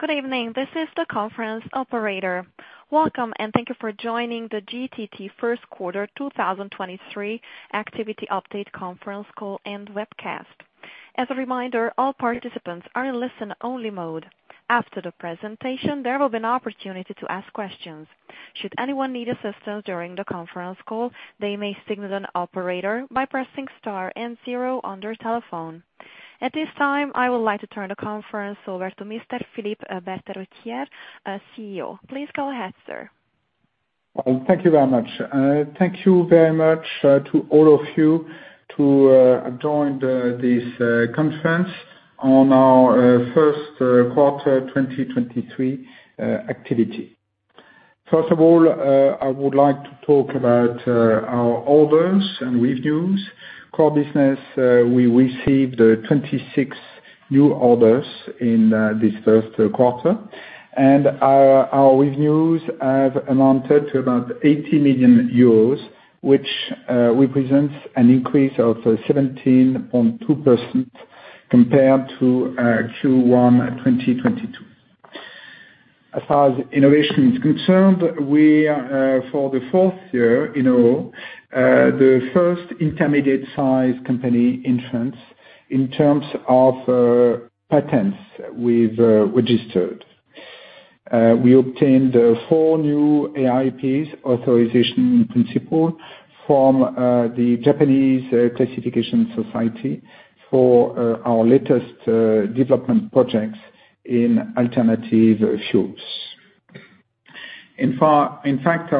Good evening. This is the conference operator. Welcome. Thank you for joining the GTT Q1 2023 activity update conference call and webcast. As a reminder, all participants are in listen-only mode. After the presentation, there will be an opportunity to ask questions. Should anyone need assistance during the conference call, they may signal an operator by pressing star and 0 on their telephone. At this time, I would like to turn the conference over to Mr. Philippe Berterottière, CEO. Please go ahead, sir. Well, thank you very much. Thank you very much to all of you to join this conference on our Q1 2023 activity. First of all, I would like to talk about our orders and reviews. Core business, we received 26 new orders in this Q1, and our revenues have amounted to about 80 million euros, which represents an increase of 17.2% compared to Q1 2022. As far as innovation is concerned, we are for the 4th year in a row, the 1st intermediate size company insurance in terms of patents we've registered. We obtained four new AIPs, Approval in Principle, from the Japanese Classification Society for our latest development projects in alternative fuels. In fact,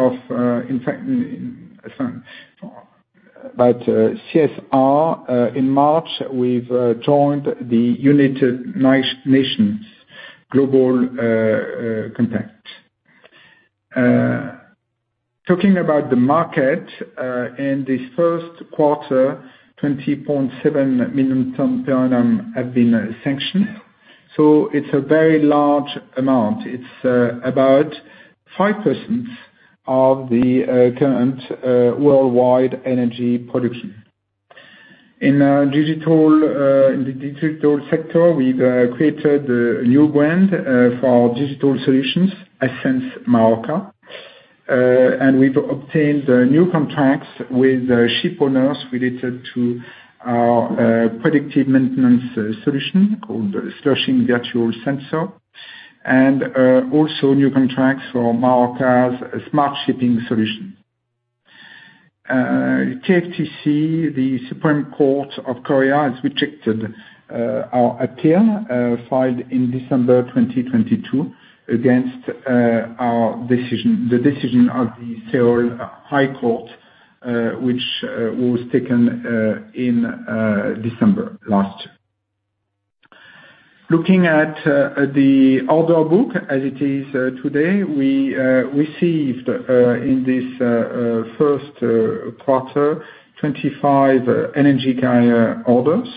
about CSR, in March, we've joined the United Nations Global Compact. Talking about the market, in the Q1, 20.7 million tons per annum have been sanctioned, so it's a very large amount. It's about 5% of the current worldwide energy production. In digital, in the digital sector, we've created a new brand for our digital solutions, Ascenz Marorka. We've obtained new contracts with ship owners related to our predictive maintenance solution called Sloshing Virtual Sensor, and also new contracts for Marorka's smart shipping solutions. KFTC, the Supreme Court of Korea has rejected our appeal filed in December 2022 against our decision, the decision of the Seoul High Court, which was taken in December last year. Looking at the order book as it is today, we received in this Q1, 25 energy carrier orders.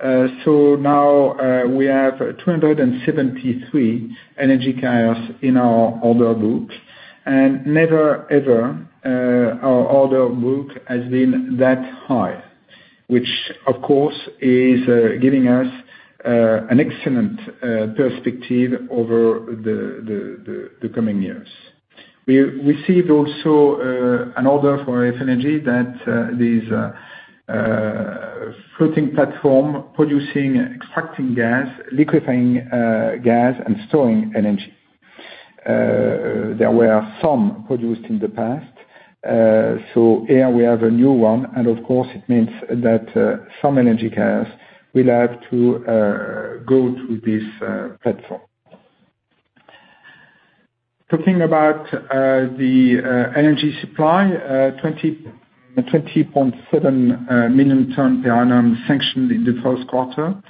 Now, we have 273 energy carriers in our order book. Never ever, our order book has been that high, which of course is giving us an excellent perspective over the coming years. We received also an order for FLNG that these floating platform producing, extracting gas, liquefying gas and storing energy. There were some produced in the past. Here we have a new one, and of course it means that some energy carriers will have to go to this platform. Talking about the energy supply, 20.7 million tons per annum sanctioned in the Q1.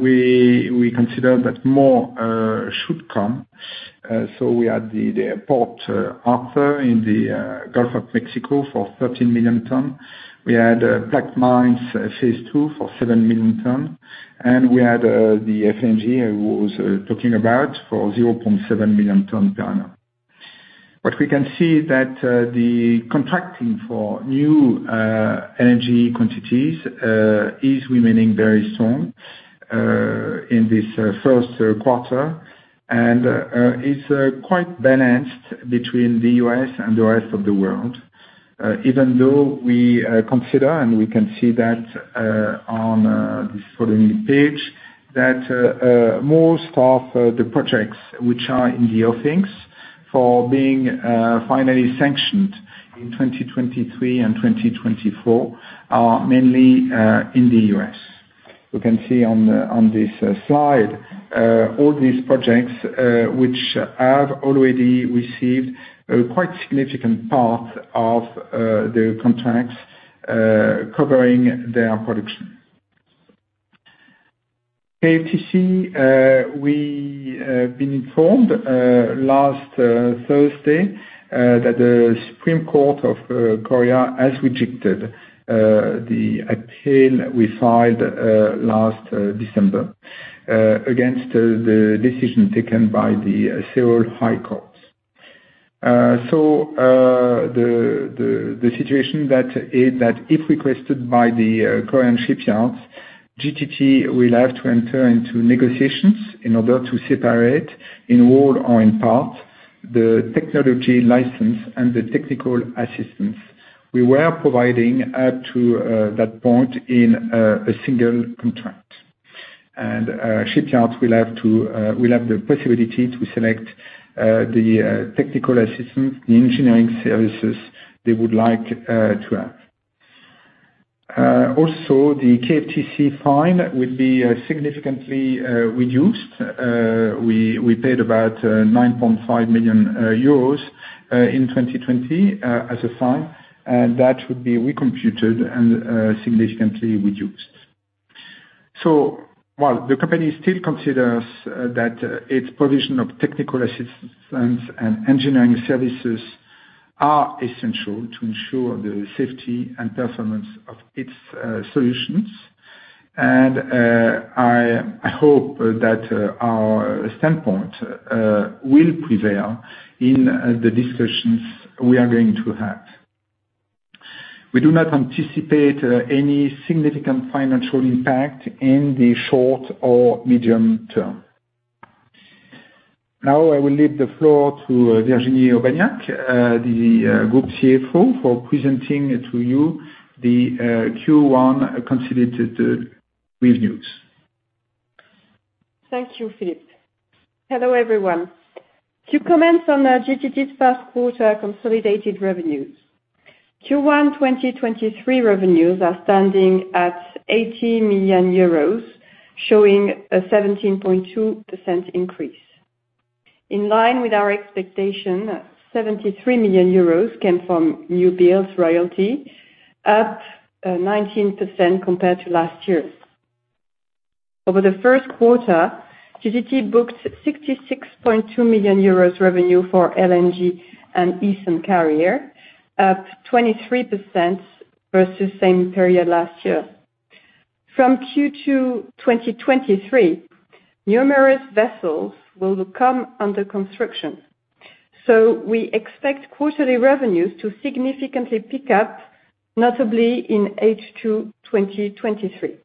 We consider that more should come. We had the Port Arthur in the Gulf of Mexico for 13 million tons. We had Plaquemines phase two for 7 million tons, and we had the FLNG I was talking about for 0.7 million tons per annum. What we can see that the contracting for new energy quantities is remaining very strong in this Q1, and is quite balanced between the U.S. and the rest of the world. Even though we consider and we can see that on this following page that most of the projects which are in the offings for being finally sanctioned in 2023 and 2024 are mainly in the U.S. We can see on on this slide all these projects which have already received a quite significant part of the contracts covering their production. KFTC, we have been informed last Thursday that the Supreme Court of Korea has rejected the appeal we filed last December against the decision taken by the Seoul High Court. The situation that is that if requested by the Korean shipyards, GTT will have to enter into negotiations in order to separate in whole or in part the technology license and the technical assistance we were providing up to that point in a single contract. Shipyards will have the possibility to select the technical assistance, the engineering services they would like to have. Also the KFTC fine will be significantly reduced. We paid about 9.5 million euros in 2020 as a fine, and that would be recomputed and significantly reduced. While the company still considers that its provision of technical assistance and engineering services are essential to ensure the safety and performance of its solutions, and I hope that our standpoint will prevail in the discussions we are going to have. We do not anticipate any significant financial impact in the short or medium term. I will leave the floor to Virginie Aubagnac, the group CFO, for presenting to you the Q1 consolidated revenues. Thank you, Philippe. Hello, everyone. To comment on GTT's Q1 consolidated revenues. Q1 2023 revenues are standing at 80 million euros, showing a 17.2% increase. In line with our expectation, 73 million euros came from new builds royalty, up 19% compared to last year's. Over the Q1, GTT booked 66.2 million euros revenue for LNG and Ethane carrier, up 23% versus same period last year. From Q2 2023, numerous vessels will come under construction, so we expect quarterly revenues to significantly pick up, notably in H2 2023.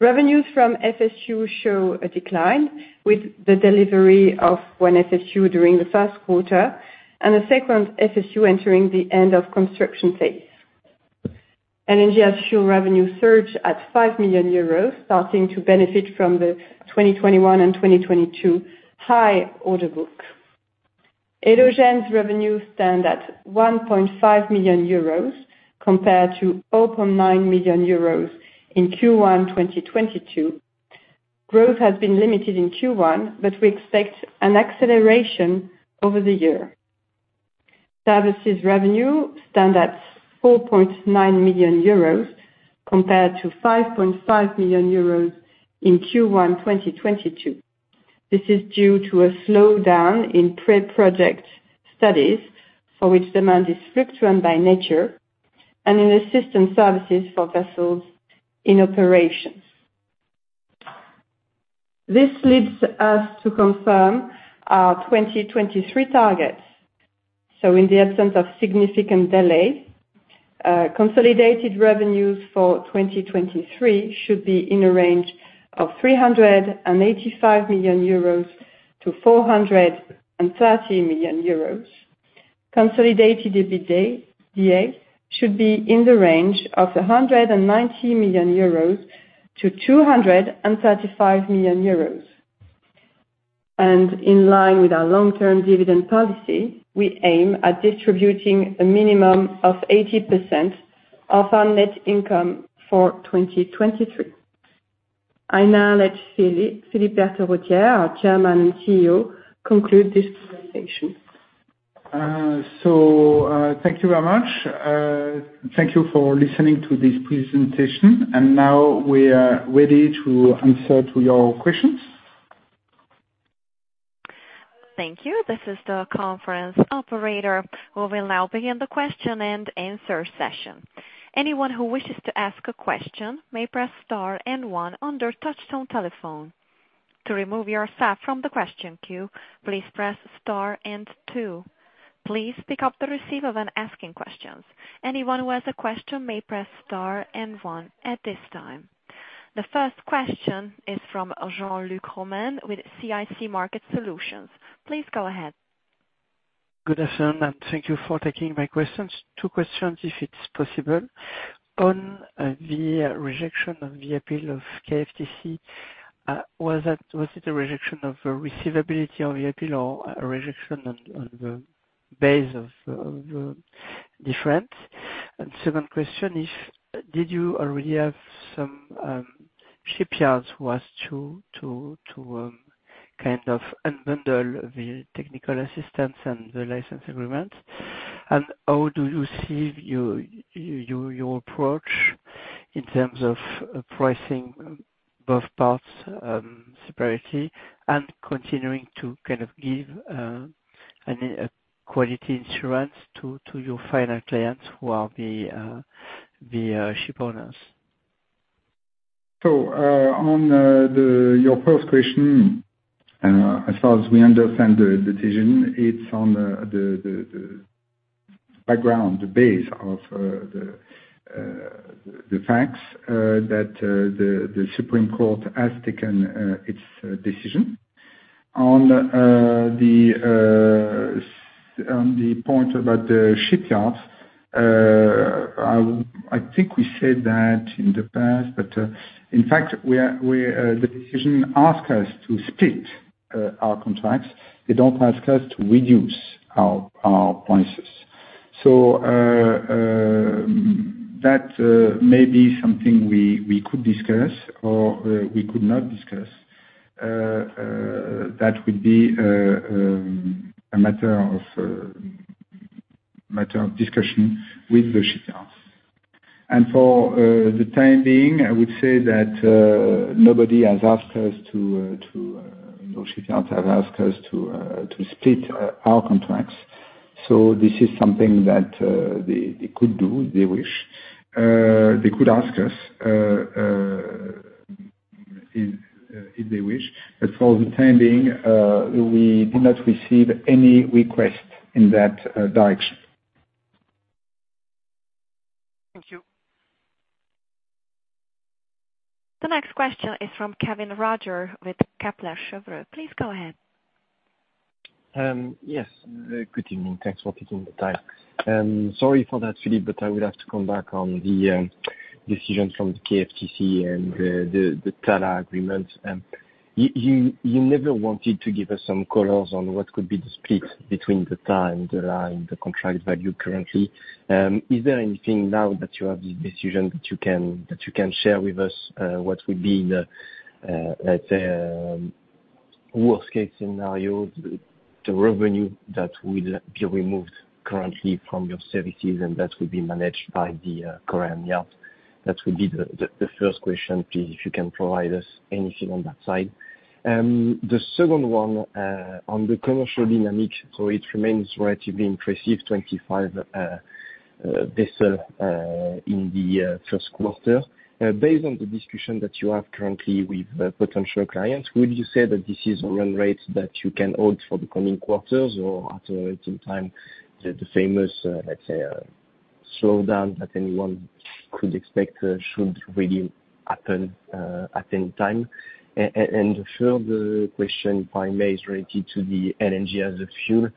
Revenues from FSU show a decline with the delivery of one FSU during the Q1 and a second FSU entering the end of construction phase. LNG fuel revenue surge at 5 million euros, starting to benefit from the 2021 and 2022 high order book. Elogen's revenues stand at 1.5 million euros compared to 0.9 million euros in Q1 2022. Growth has been limited in Q1, but we expect an acceleration over the year. Services revenue stand at 4.9 million euros compared to 5.5 million euros in Q1 2022. This is due to a slowdown in pre-project studies, for which demand is fluctuating by nature and in assistant services for vessels in operations. This leads us to confirm our 2023 targets. In the absence of significant delay, consolidated revenues for 2023 should be in a range of 385 million-430 million euros. Consolidated EBITDA should be in the range of 190 million-235 million euros. In line with our long-term dividend policy, we aim at distributing a minimum of 80% of our net income for 2023. I now let Philippe Berterottière, our Chairman and CEO, conclude this presentation. Thank you very much. Thank you for listening to this presentation. Now we are ready to answer to your questions. Thank you. This is the conference operator. We will now begin the question and answer session. Anyone who wishes to ask a question may press star and one on their touchtone telephone. To remove yourself from the question queue, please press star and two. Please pick up the receiver when asking questions. Anyone who has a question may press star and one at this time. The first question is from Jean-Luc Romain with CIC Market Solutions. Please go ahead. Good afternoon. Thank you for taking my questions. Two questions, if it's possible. On the rejection of the appeal of KFTC, was it a rejection of the receivability of the appeal or a rejection on the base of the difference? Second question, if did you already have some shipyards who has to kind of unbundle the technical assistance and the license agreement? How do you see your approach in terms of pricing both parts separately and continuing to kind of give a quality assurance to your final clients who are the ship owners? On your first question, as far as we understand the decision, it's on the background, the base of the facts that the Supreme Court has taken its decision. On the point about the shipyards, I think we said that in the past, but in fact, the decision ask us to split our contracts. They don't ask us to reduce our prices. That may be something we could discuss or we could not discuss. That would be a matter of discussion with the shipyards. For the time being, I would say that, nobody has asked us to, no shipyards have asked us to split our contracts. This is something that, they could do if they wish. They could ask us, if they wish. For the time being, we do not receive any request in that, direction. Thank you. The next question is from Kevin Roger with Kepler Cheuvreux. Please go ahead. Yes. Good evening. Thanks for taking the time. Sorry for that, Philippe, but I would have to come back on the decision from the KFTC and the TALA agreement. You never wanted to give us some colors on what could be the split between the time, the line, the contract value currently. Is there anything now that you have the decision that you can share with us, what would be the, let's say, worst case scenario, the revenue that will be removed currently from your services and that will be managed by the Korean Yard? That will be the first question, please, if you can provide us anything on that side. The second one, on the commercial dynamic, it remains relatively impressive, 25 vessel in the Q1. Based on the discussion that you have currently with potential clients, would you say that this is a run rate that you can hold for the coming quarters or at some time the famous, let's say, slowdown that anyone could expect should really happen at any time? The further question, if I may, is related to the LNG as a fuel.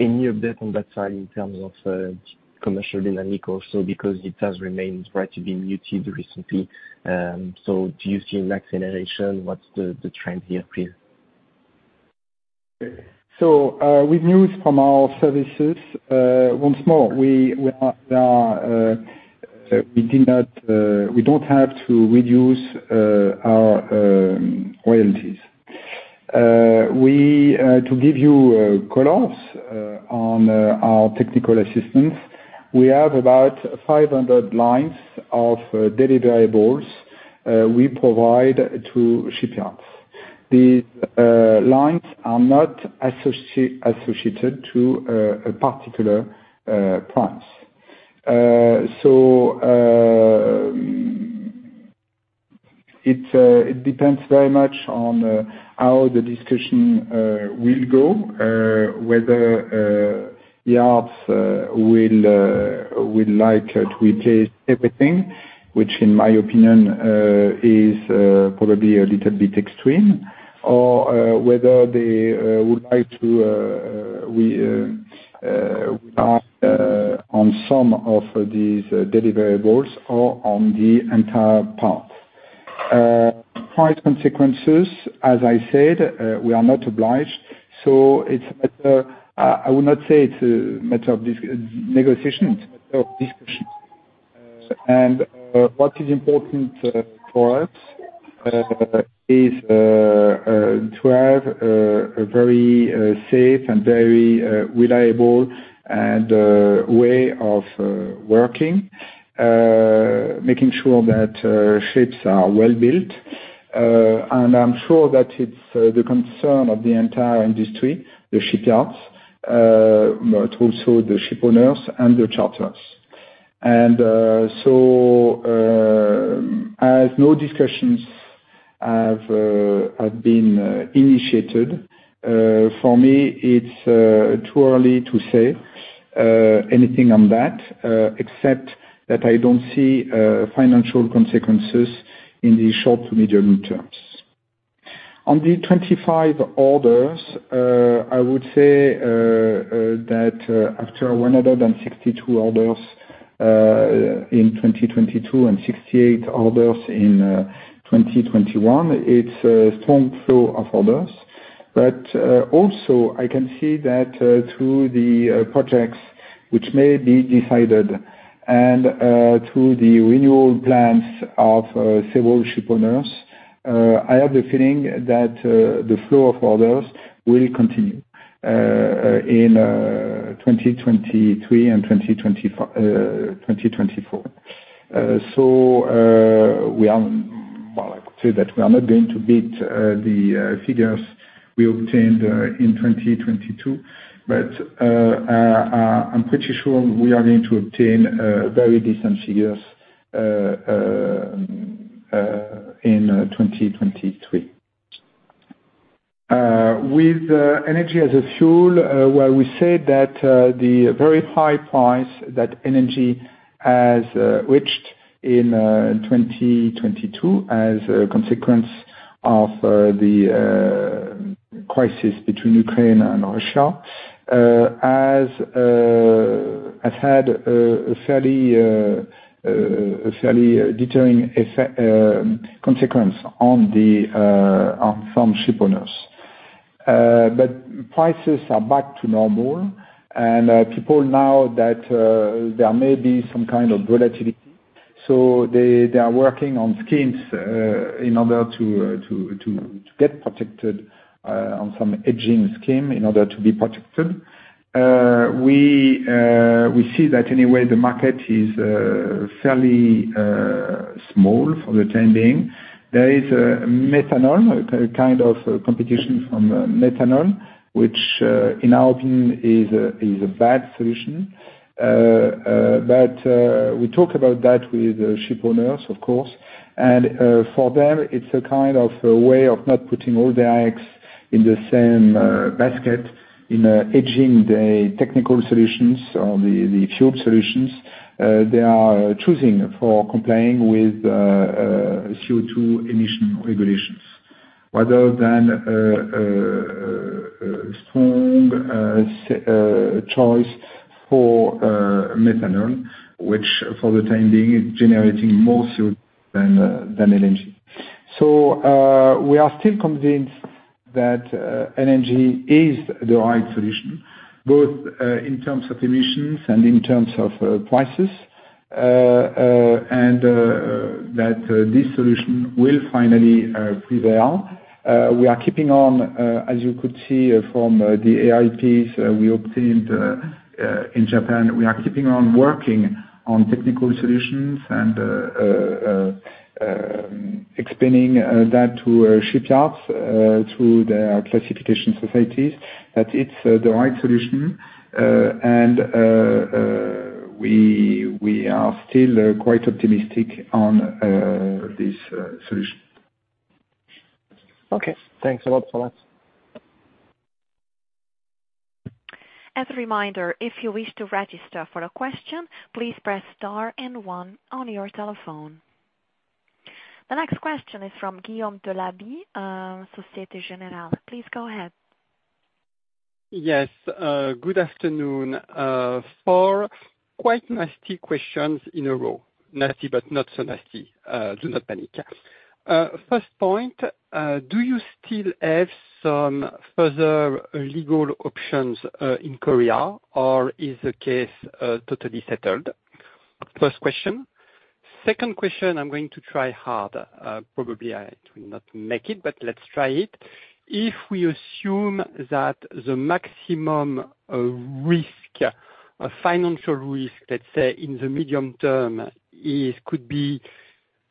Any update on that side in terms of commercial dynamic also because it has remained relatively muted recently. Do you see an acceleration? What's the trend here, please? services, once more, we are, we did not, we don't have to reduce our royalties. To give you colors on our technical assistance, we have about 500 lines of deliverables we provide to shipyards. These lines are not associated to a particular price. So, it depends very much on how the discussion will go, whether the yards will like to replace everything, which in my opinion, is probably a little bit extreme, or whether they would like to on some of these deliverables or on the entire part. Price consequences, as I said, we are not obliged, so it's a matter... 's a matter of discussion, it's a matter of discussion. What is important for us is to have a very safe and very reliable way of working, making sure that ships are well built. I am sure that it is the concern of the entire industry, the shipyards, but also the ship owners and the charters. So, as no discussions have been initiated, for me, it is too early to say anything on that, except that I don't see financial consequences in the short to medium terms On the 25 orders, I would say that after 162 orders in 2022 and 68 orders in 2021, it's a strong flow of orders. Also I can see that through the projects which may be decided and through the renewal plans of several ship owners, I have the feeling that the flow of orders will continue in 2023 and 2024. Well, I could say that we are not going to beat the figures we obtained in 2022, but I'm pretty sure we are going to obtain very decent figures in 2023. With energy as a fuel, where we said that the very high price that energy has reached in 2022 as a consequence of the crisis between Ukraine and Russia, has had a fairly deterring effect, consequence on some ship owners. Prices are back to normal and people now that there may be some kind of volatility, so they are working on schemes in order to get protected on some hedging scheme in order to be protected. We see that anyway, the market is fairly small for the time being. There is methanol, a kind of competition from methanol, which in our opinion is a bad solution. We talk about that with ship owners, of course, and for them, it's a kind of a way of not putting all the eggs in the same basket in hedging the technical solutions or the fuel solutions they are choosing for complying with CO2 emission regulations rather than strong choice for methanol, which for the time being is generating more CO2 than LNG. We are still convinced that LNG is the right solution, both in terms of emissions and in terms of prices, and that this solution will finally prevail. We are keeping on, as you could see from the AIPs we obtained in Japan. We are keeping on working on technical solutions and expanding that to shipyards through their classification societies, that it's the right solution. We are still quite optimistic on this solution. Okay. Thanks a lot, Florence. As a reminder, if you wish to register for a question, please press star and one on your telephone. The next question is from Guillaume Delaby, Societe Generale. Please go ahead. Yes. Good afternoon. Four quite nasty questions in a row. Nasty, but not so nasty. Do not panic. First point, do you still have some further legal options in Korea, or is the case totally settled? First question. Second question, I'm going to try hard. Probably I will not make it, but let's try it. If we assume that the maximum risk, financial risk, let's say, in the medium term could be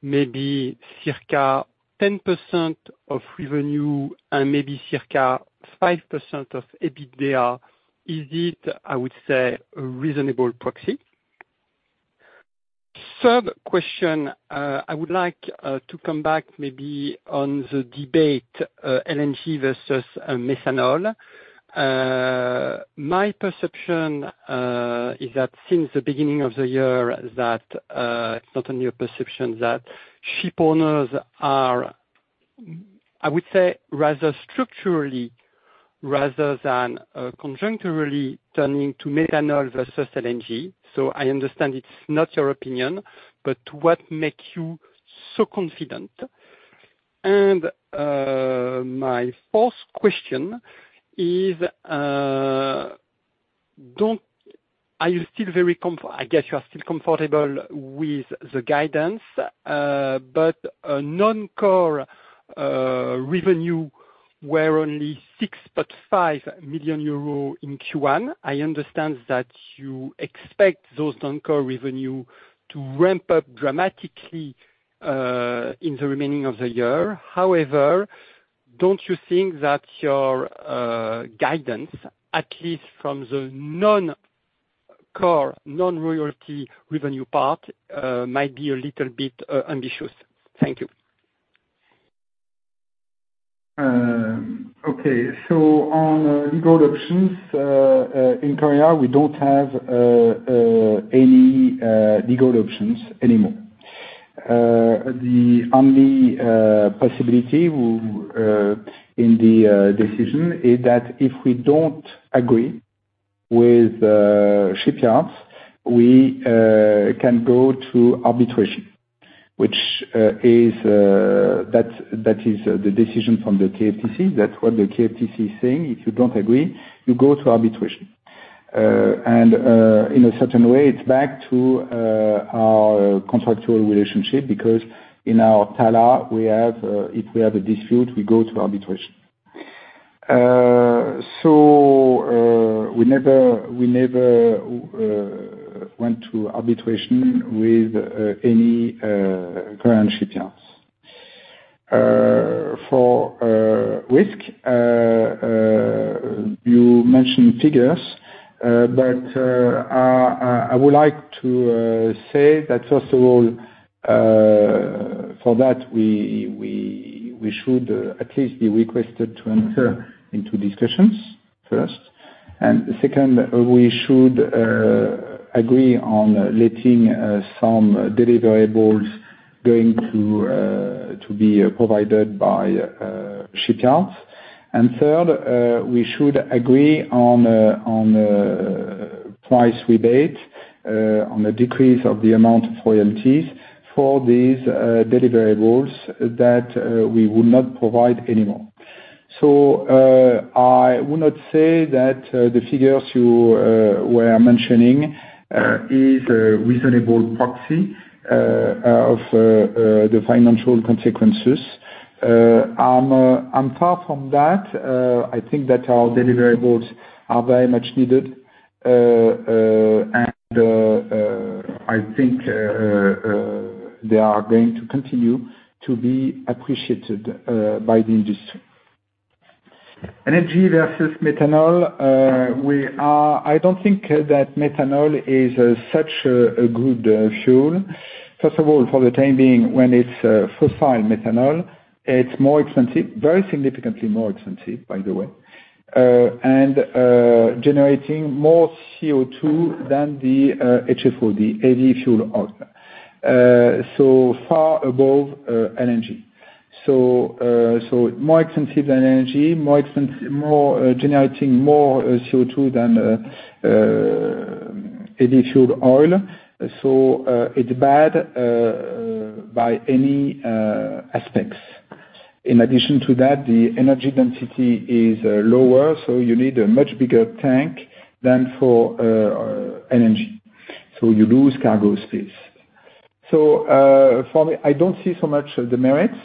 maybe circa 10% of revenue and maybe circa 5% of EBITDA, is it, I would say, a reasonable proxy? Third question, I would like to come back maybe on the debate, LNG versus methanol. My perception is that since the beginning of the year that it's not only your perception that ship owners are, I would say, rather structurally rather than conjuncturally turning to methanol versus LNG. I understand it's not your opinion, but what makes you so confident? My fourth question is, are you still very comfortable with the guidance, but non-core revenue were only 6.5 million euros in Q1. I understand that you expect those non-core revenue to ramp up dramatically in the remaining of the year. However, don't you think that your guidance, at least from the non-core, non-royalty revenue part, might be a little bit ambitious? Thank you. Okay. On legal options in Korea, we don't have any legal options anymore. The only possibility in the decision is that if we don't agree with the shipyards, we can go to arbitration, which is that is the decision from the KFTC. That's what the KFTC is saying. If you don't agree, you go to arbitration. In a certain way, it's back to our contractual relationship because in our TALA we have, if we have a dispute, we go to arbitration. We never went to arbitration with any current shipyards. For risk, you mentioned figures, but I would like to say that first of all, for that we should at least be requested to enter into discussions first. Second, we should agree on letting some deliverables going to be provided by shipyards. Third, we should agree on price rebate on the decrease of the amount of royalties for these deliverables that we will not provide anymore. I would not say that the figures you were mentioning is a reasonable proxy of the financial consequences. Apart from that, I think that our deliverables are very much needed, and I think they are going to continue to be appreciated by the industry. LNG versus methanol, I don't think that methanol is such a good fuel. First of all, for the time being, when it's fossil methanol, it's more expensive, very significantly more expensive, by the way, and generating more CO2 than the HFO, the heavy fuel oil. Far above LNG. More expensive than LNG, more generating more CO2 than heavy fuel oil. It's bad by any aspects. In addition to that, the energy density is lower, so you need a much bigger tank than for LNG. You lose cargo space. For me, I don't see so much of the merits.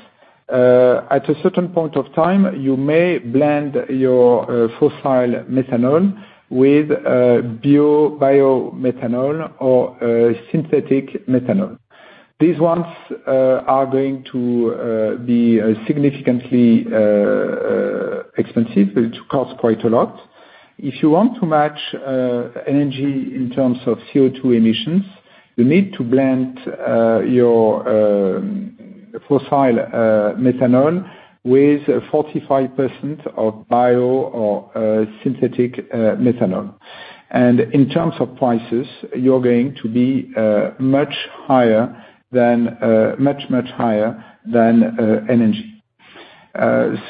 At a certain point of time, you may blend your fossil methanol with bio, biomethanol or synthetic methanol. These ones are going to be significantly expensive. They cost quite a lot. If you want to match energy in terms of CO2 emissions, you need to blend your fossil methanol with 45% of bio or synthetic methanol. In terms of prices, you're going to be much higher than much higher than LNG.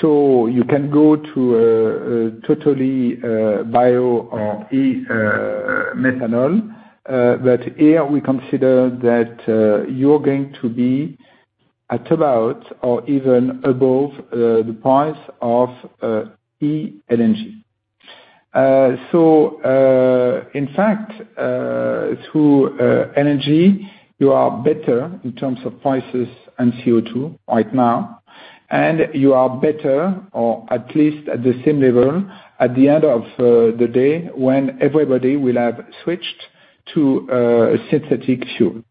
You can go to a totally bio or e methanol, but here we consider that you're going to be at about or even above the price of eLNG. In fact, through LNG, you are better in terms of prices and CO2 right now, and you are better, or at least at the same level at the end of the day when everybody will have switched to synthetic fuel.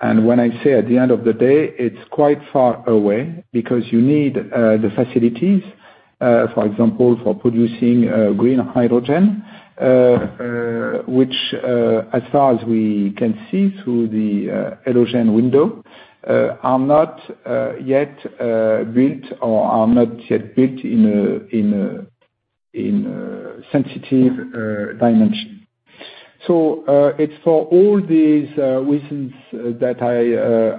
When I say at the end of the day, it's quite far away because you need the facilities, for example, for producing green hydrogen, which, as far as we can see through the hydrogen window, are not yet built or are not yet built in a sensitive dimension. It's for all these reasons that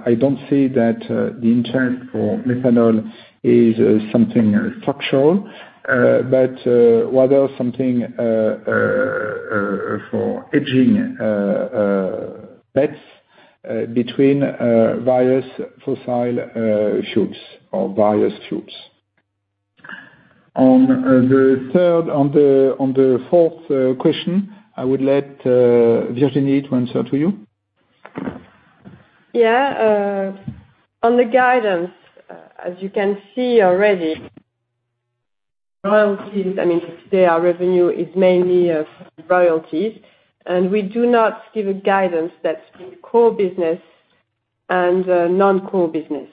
I don't say that the intent for methanol is something structural, but rather something for hedging bets between various fossil fuels or various fuels. On the fourth question, I would let Virginie to answer to you. On the guidance, as you can see already, royalties, I mean, today our revenue is mainly of royalties, and we do not give a guidance that's core business and non-core business.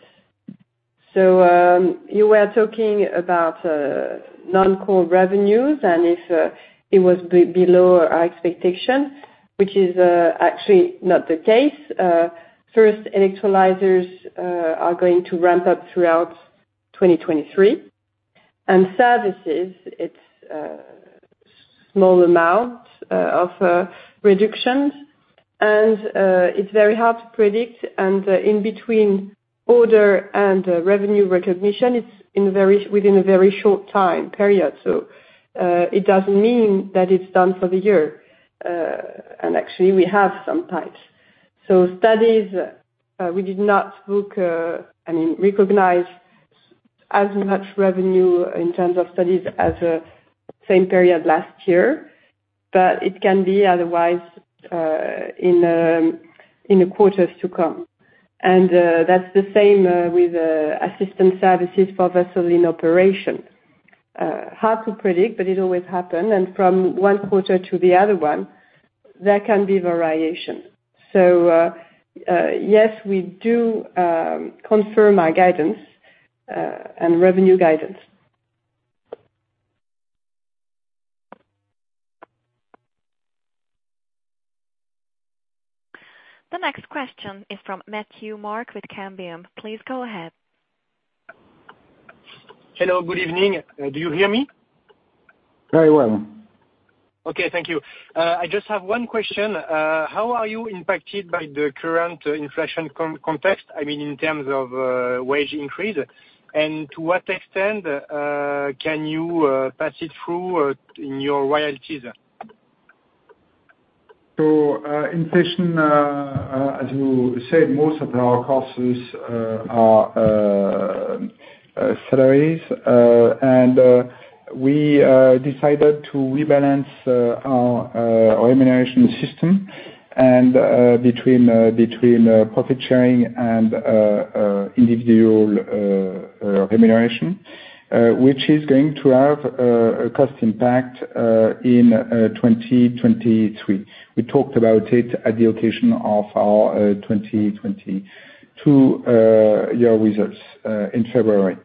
You were talking about non-core revenues and if it was below our expectation, which is actually not the case. First, electrolyzers are going to ramp up throughout 2023. Services, it's a small amount of reductions, and it's very hard to predict. In between order and revenue recognition, it's within a very short time period. It doesn't mean that it's done for the year. Actually we have some time. Studies, we did not book, I mean, recognize as much revenue in terms of studies as same period last year. It can be otherwise, in the quarters to come. That's the same with assistant services for vessel in operation. Hard to predict but it always happen, and from Q1 to the other one, there can be variation. Yes, we do confirm our guidance, and revenue guidance. The next question is from Matthew Mark with Cambium. Please go ahead. Hello, good evening. Do you hear me? Very well. Okay, thank you. I just have one question. How are you impacted by the current inflation context, I mean, in terms of wage increase? To what extent can you pass it through in your royalties? Inflation, as you said, most of our costs is, are, salaries. We decided to rebalance our remuneration system and between profit sharing and individual remuneration, which is going to have a cost impact in 2023. We talked about it at the occasion of our 2022 year results in February.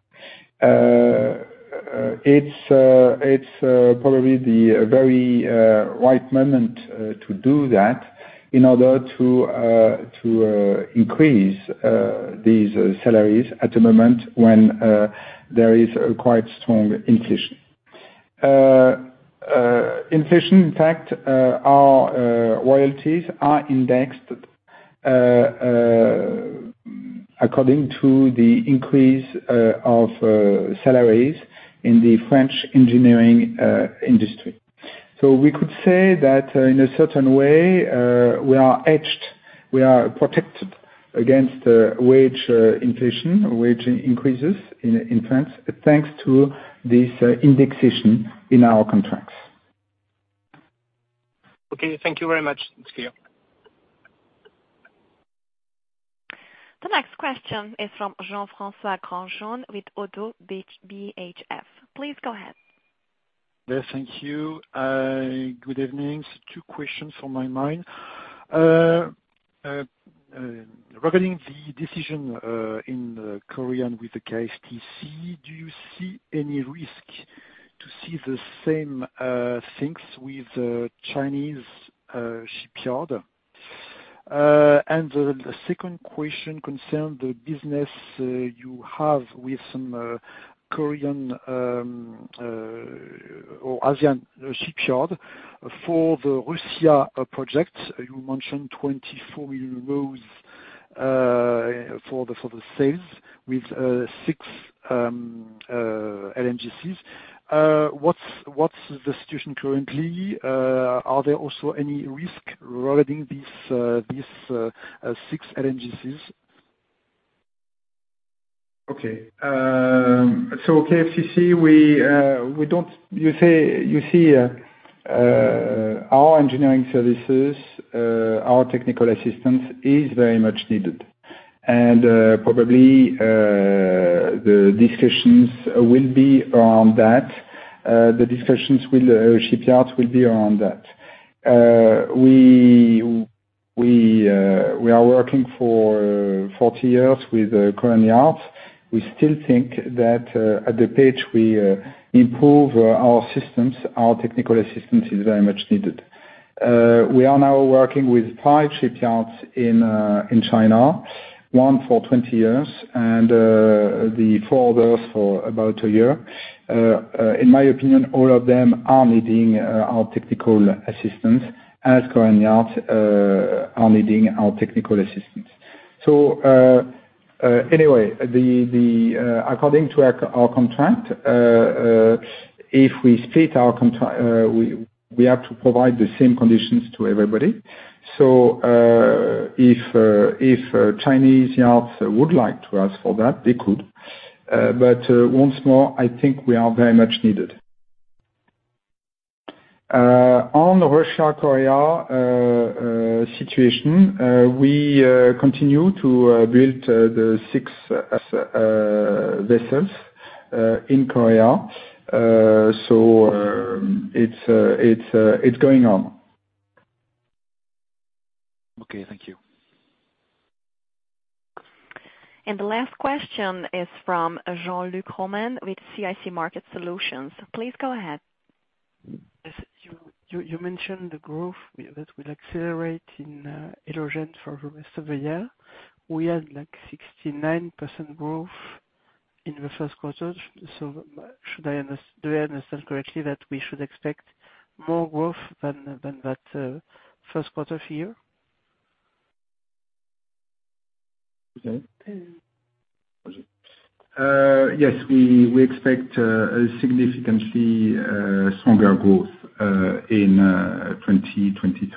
It's probably the very right moment to do that in order to increase these salaries at the moment when there is a quite strong inflation. Inflation impact, our royalties are indexed according to the increase of salaries in the French engineering industry. We could say that, in a certain way, we are edged, we are protected against, wage, inflation, wage increases in France, thanks to this indexation in our contracts. Okay, thank you very much. It's clear. The next question is from Jean-François Granjon with Oddo BHF. Please go ahead. Yes, thank you. Good evening. Two questions on my mind. Regarding the decision in the Korean with the KFTC, do you see any risk to see the same things with the Chinese shipyard? The second question concern the business you have with some Korean or Asian shipyard for the Russia project. You mentioned 24 million euros for the sales with 6 LNGCs. What's the situation currently? Are there also any risk regarding these six LNGCs? Okay. Um, so KFTC, we, uh, we don't... You say, you see, uh, uh, our engineering services, uh, our technical assistance is very much needed. And, uh, probably, uh, the discussions will be around that. Uh, the discussions with the shipyards will be around that. Uh, we, we, uh, we are working for forty years with, uh, Korean yards. We still think that, uh, at the page we, uh, improve, uh, our systems, our technical assistance is very much needed. Uh, we are now working with five shipyards in, uh, in China, one for twenty years and, uh, the four others for about a year. Uh, uh, in my opinion, all of them are needing, uh, our technical assistance as Korean yards, uh, are needing our technical assistance. Anyway, the according to our contract, if we split our we have to provide the same conditions to everybody. If Chinese yards would like to ask for that, they could. Once more, I think we are very much needed. On Russia-Korea situation, we continue to build the six vessels in Korea. It's going on. Okay, thank you. The last question is from Jean-Luc Romain with CIC Market Solutions. Please go ahead. Yes. You mentioned the growth that will accelerate in hydrogen for the rest of the year. We had, like, 69% growth in the Q1. Should I do I understand correctly that we should expect more growth than that Q1 here? Okay. Yes, we expect a significantly stronger growth in 2023.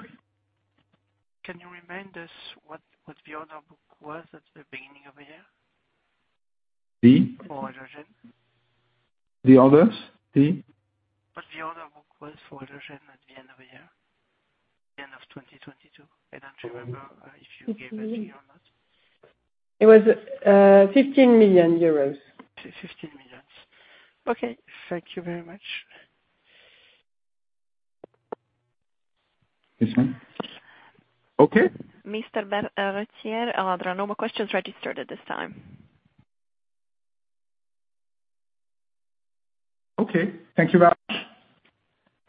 Can you remind us what the other book was at the beginning of the year? The? For hydrogen. The others? What the other book was for hydrogen at the end of the year, end of 2022? I don't remember if you gave it to me or not. It was 15 million euros. 15 million. Okay. Thank you very much. That's fine. Okay. Mr. Berterottière, there are no more questions registered at this time. Okay. Thank you very much.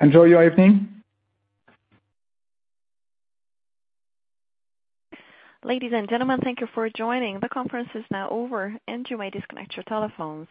Enjoy your evening. Ladies and gentlemen, thank you for joining. The conference is now over and you may disconnect your telephones.